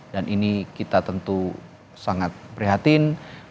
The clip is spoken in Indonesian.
dan ini kita tentu sangat prihatin